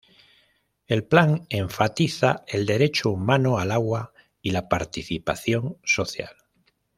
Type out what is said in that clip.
El Plan enfatiza el derecho humano al agua y la participación social.